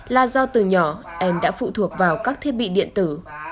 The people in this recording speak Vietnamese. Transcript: là do từ nhỏ em đã phụ thuộc vào các thiết bị điện tử